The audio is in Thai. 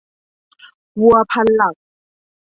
วัวพันหลัก